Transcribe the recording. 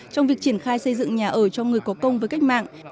trong việc triển khai xây dựng nhà ở cho người có công với cách mạng